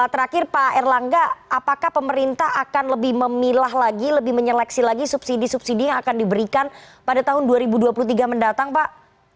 terakhir pak erlangga apakah pemerintah akan lebih memilah lagi lebih menyeleksi lagi subsidi subsidi yang akan diberikan pada tahun dua ribu dua puluh tiga mendatang pak